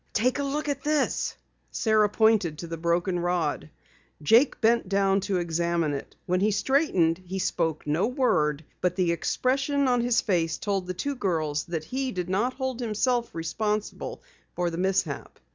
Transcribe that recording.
"Take a look at this." Sara pointed to the broken rod. Jake bent down to examine it. When he straightened he spoke no word, but the expression of his face told the two girls that he did not hold himself responsible for the mishap.